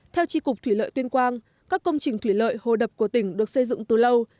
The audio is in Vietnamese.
theo tri cục thủy lợi tuyên quang các công trình thủy lợi hồ đập của tỉnh được xây dựng từ lâu